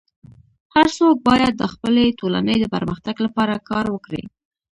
هر څوک باید د خپلي ټولني د پرمختګ لپاره کار وکړي.